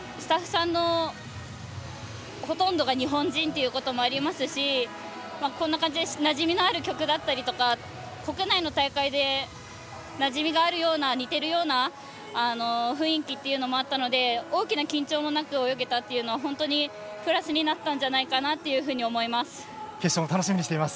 海外に行って参加する国際大会に比べてスタッフさんのほとんどが日本人ということもありますしこんな感じでなじみのある曲だったりとか国内の大会でなじみがあるような似ているような雰囲気というのもあったので大きな緊張もなく泳げたというのは本当に決勝も楽しみにしています。